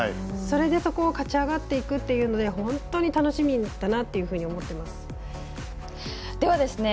それで、そこを勝ち上がっていくっていうので本当に楽しみだなと思っています。